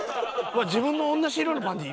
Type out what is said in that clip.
自分と同じ色のパンティ？